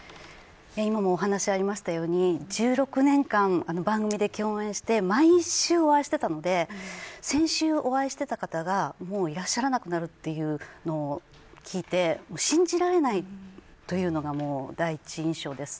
今もお話にありましたように１６年間番組で共演して毎週、お会いしていたので先週お会いしていた方がもういらっしゃらなくなるというのを聞いて信じられないというのが第一印象です。